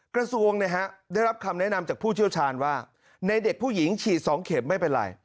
กระทรวงได้รับคำแนะนำจากผู้เชี่ยวชาญว่าในเด็กผู้หญิงฉีด๒เข็มไม่เป็นไร